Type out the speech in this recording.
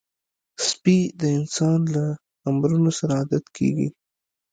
سپي د انسان له امرونو سره عادت کېږي.